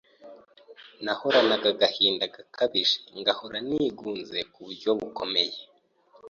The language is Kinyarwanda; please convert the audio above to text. nahoranaga agahinda gakabije ngahora nigunze ku buryo bukomeye